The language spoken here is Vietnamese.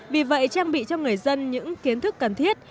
vì vậy trang bị cho người dân những kiến thức cần thiết